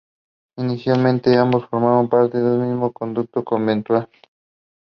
This was the main reason for the assassination.